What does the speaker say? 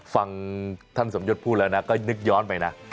ฟังท่านสมยศพูดแล้วนะก็นึกย้อนไปนะ